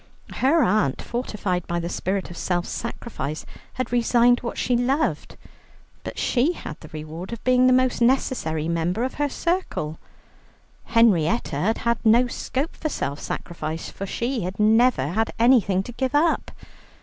Her aunt, fortified by the spirit of self sacrifice, had resigned what she loved, but she had the reward of being the most necessary member of her circle. Henrietta had had no scope for self sacrifice, for she had never had anything to give up.